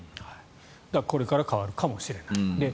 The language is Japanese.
これから変わるかもしれないと。